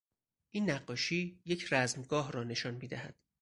این نقاشی یک رزمگاه را نشان میدهد.